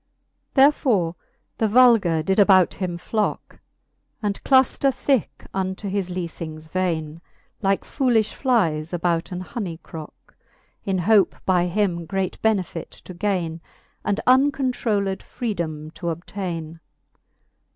Therefore the vulgar did about him flocke, And clufter ihicke unto his leafings vaine, Like foolilh flies about an hony crocke, In hope by him great benefite to gaine, And uncontrolled freedome to obtaine.